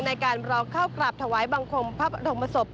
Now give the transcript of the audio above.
ในการรอเข้ากราบถวายบังคมพระบรมศพ